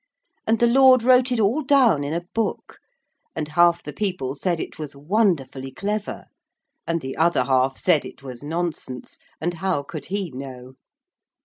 And the lord wrote it all down in a book, and half the people said it was wonderfully clever, and the other half said it was nonsense, and how could he know.